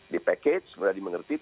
dipackage sudah dimengerti